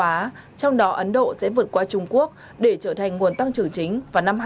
á trong đó ấn độ sẽ vượt qua trung quốc để trở thành nguồn tăng trưởng chính vào năm hai nghìn hai mươi